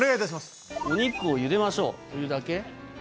お肉をゆでましょうお湯だけ？